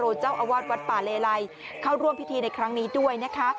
โดยเจ้าอาวาสวัดป่าเลไลเข้าร่วมพิธีในครั้งนี้ด้วยนะคะ